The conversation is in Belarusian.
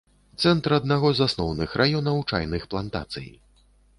Цэнтр аднаго з асноўных раёнаў чайных плантацый.